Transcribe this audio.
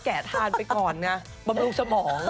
แกะทานไปก่อนนะบำรุงสมอง